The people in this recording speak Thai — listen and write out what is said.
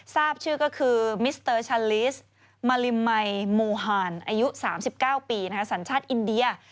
ทราบชื่อก็คือมิสเตอร์ชาลิสมาริมัยมูฮานอายุ๓๙ปีสัญชาติอินเดีย